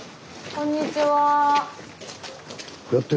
こんにちは。